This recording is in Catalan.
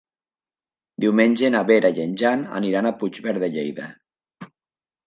Diumenge na Vera i en Jan aniran a Puigverd de Lleida.